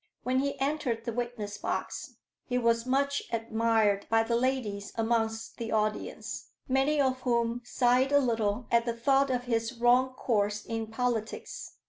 When he entered the witness box he was much admired by the ladies amongst the audience, many of whom sighed a little at the thought of his wrong course in politics.